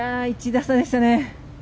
１打差でしたね。